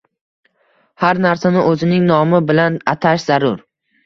Har narsani oʻzining nomi bilan atash zarur